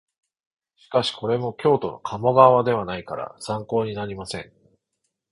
しかしこれも京都の鴨川ではないから参考になりません